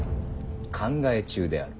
考え中である。